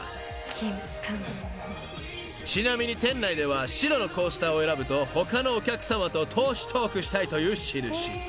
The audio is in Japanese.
［ちなみに店内では白のコースターを選ぶと他のお客さまと投資トークしたいという印］